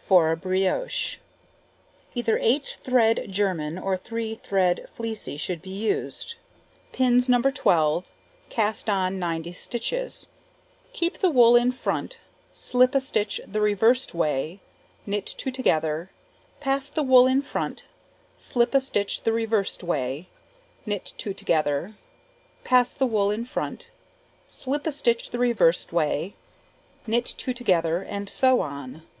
For a Brioche. Either 8 thread German or 3 thread fleecy should be used. Pins No. 12. Cast on 90 stitches; keep the wool in front, slip a stitch the reversed way, knit 2 together, pass the wool in front, slip a stitch the reversed way, knit 2 together, pass the wool in front, slip a stitch the reversed way, knit 2 together, and so on.